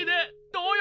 どうよ？